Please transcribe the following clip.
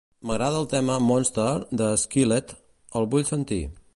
M'agrada el tema "Monster" de Skillet; el vull sentir.